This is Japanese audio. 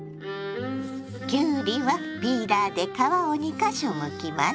きゅうりはピーラーで皮を２か所むきます。